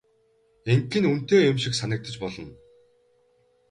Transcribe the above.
Ингэх нь үнэтэй юм шиг санагдаж болно.